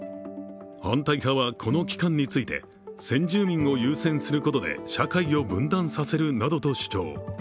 反対派は、この機関について先住民を優先することで社会を分断させるなどと主張。